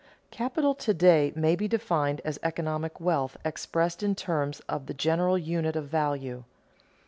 _Capital to day may be defined as economic wealth expressed in terms of the general unit of value.